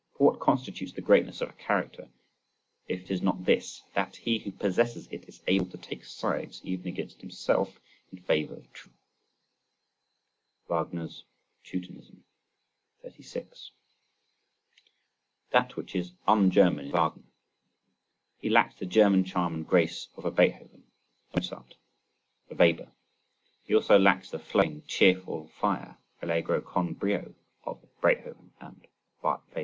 For what constitutes the greatness of a character if it is not this, that he who possesses it is able to take sides even against himself in favour of truth. Wagner's Teutonism. 36. That which is un German in Wagner. He lacks the German charm and grace of a Beethoven, a Mozart, a Weber; he also lacks the flowing, cheerful fire (Allegro con brio) of Beethoven and Weber.